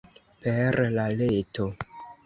Per la reto.